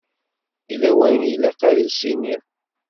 Yella wayen i ilaq ad s-iniɣ.